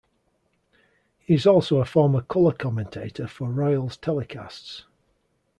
He is also a former color commentator for Royals telecasts.